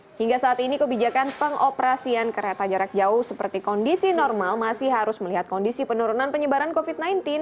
sehingga saat ini kebijakan pengoperasian kereta jarak jauh seperti kondisi normal masih harus melihat kondisi penurunan penyebaran covid sembilan belas